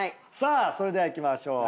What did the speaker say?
それではいきましょう。